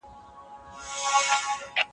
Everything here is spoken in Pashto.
زه اوږده وخت د کتابتوننۍ سره مرسته کوم.